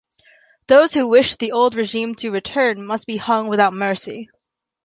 Those who wish the old regime to return, must be hung without mercy.